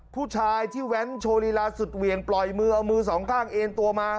ผู้ชายที่แว้นโชว์ลีลาสุดเหวี่ยงปล่อยมือเอามือสองข้างเอ็นตัวมา